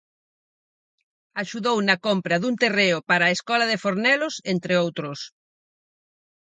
Axudou na compra dun terreo para a escola de Fornelos, entre outros.